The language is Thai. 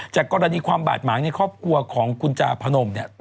จากกรณีความบาดหมางในครอบครัวของคุณจาพนมเนี่ย